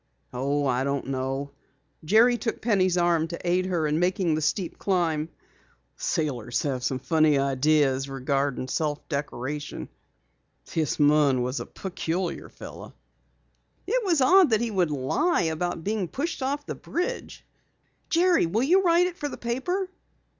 "Oh, I don't know." Jerry took Penny's arm to aid her in making the steep climb. "Sailors have some funny ideas regarding self decoration. This Munn was a peculiar fellow." "It was odd that he would lie about being pushed off the bridge. Jerry, will you write it for the paper?"